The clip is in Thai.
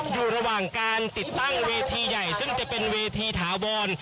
อยู่ระหว่างการติดตั้งเวทีใหญ่ซึ่งจะเป็นเวทีถาวร